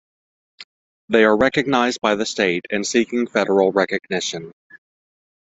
They are recognized by the state and seeking federal recognition.